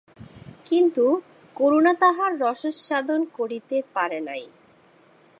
কিন্তু করুণা তাহার রসাস্বাদন করিতে পারে নাই।